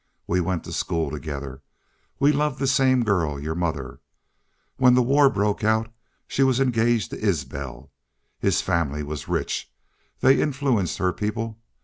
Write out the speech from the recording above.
"We went to school together. We loved the same girl your mother. When the war broke out she was engaged to Isbel. His family was rich. They influenced her people.